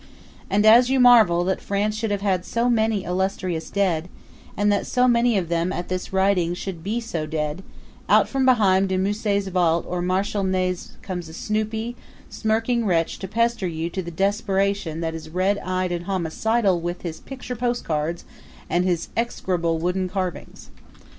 And as you marvel that France should have had so many illustrious dead, and that so many of them at this writing should be so dead, out from behind De Musset's vault or Marshal Ney's comes a snoopy, smirky wretch to pester you to the desperation that is red eyed and homicidal with his picture post cards and his execrable wooden carvings.